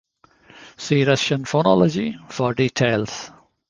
See Russian phonology for details.